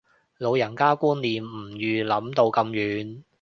老人家觀念唔預諗到咁遠